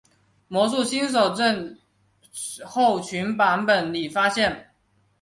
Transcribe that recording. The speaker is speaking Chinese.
魔术新手症候群版本里发现。